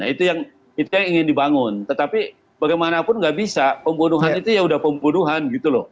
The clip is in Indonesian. itu yang ingin dibangun tetapi bagaimanapun nggak bisa pembunuhan itu ya sudah pembunuhan